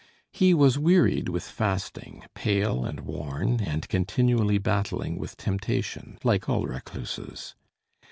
He was wearied with fasting, pale and worn, and continually battling with temptation, like all recluses.